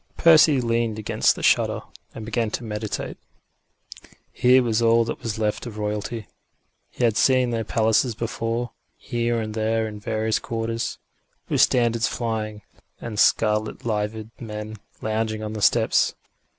Percy leaned against the shutter, and began to meditate. Here was all that was left of Royalty. He had seen their palaces before, here and there in the various quarters, with standards flying, and scarlet liveried men lounging on the steps.